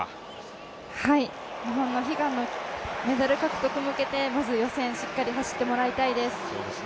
悲願のメダル獲得へ向けて、まず予選しっかり走ってもらいたいです。